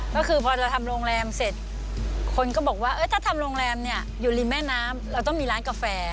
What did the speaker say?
ก็คือพอเราทำโรงแรมเสร็จคนก็บอกว่าถ้าทำโรงแรมเนี่ยอยู่ริมแม่น้ำเราต้องมีร้านกาแฟ